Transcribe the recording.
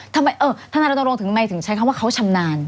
ถ้านักรัฐโรงถึงไม่ถึงใช้คำว่าเขาชำนาญ